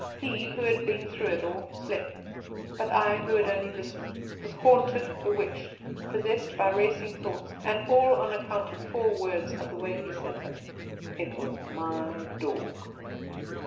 He, who had been through it all, slept; but I, who had only listened, was haunted, bewitched, possessed, by racing thoughts; and all on account of four words, and the way he said them, "It was my dawg."